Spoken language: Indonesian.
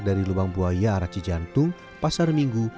dari lubang buaya aracijantung pasar minggu